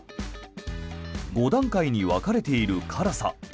５段階に分かれている辛さ。